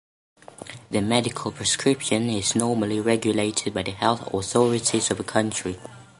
The medical prescription is normally regulated by the health authorities of a country.